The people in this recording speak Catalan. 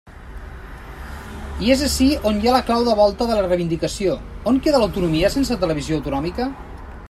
I és ací on hi ha la clau de volta de la reivindicació: ¿on queda l'autonomia sense televisió autonòmica?